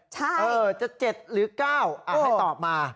ใช่จะ๗หรือ๙ให้ตอบมา